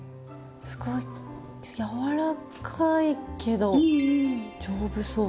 すごい柔らかいけど丈夫そうというか。